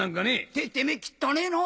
ててめぇきったねえの！